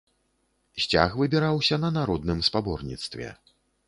Сцяг выбіраўся на народным спаборніцтве.